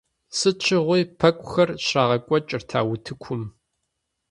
Сыт щыгъуи пэкӀухэр щрагъэкӀуэкӀырт а утыкум.